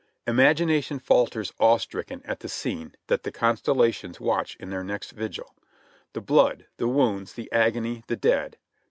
Imagination falters awe stricken at the scene that the constellations watch in their next vigil; the blood! the w^ounds! the agony! the dead!